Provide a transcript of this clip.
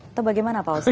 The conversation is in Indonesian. atau bagaimana pak oso